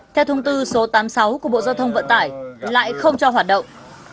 theo thông tư số tám mươi sáu của bộ giao thông vận tải lại không cho hoạt động